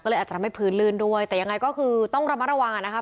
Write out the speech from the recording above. ก็เลยอาจจะทำให้พื้นลื่นด้วยแต่ยังไงก็คือต้องระมัดระวังอ่ะนะครับ